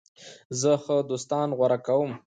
زه ښه دوستان غوره کوم.